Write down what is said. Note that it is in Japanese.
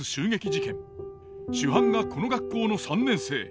主犯がこの学校の３年生。